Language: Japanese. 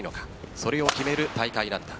それを決める大会なんだ。